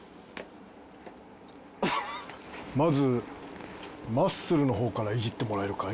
まずマッスルの方からイジってもらえるかい？